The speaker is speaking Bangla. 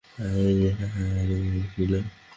আমার নিজের সন্তান বলে কেউ ছিল না।